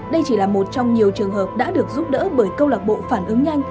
đây chỉ là một trong nhiều trường hợp đã được giúp đỡ bởi câu lạc bộ phản ứng nhanh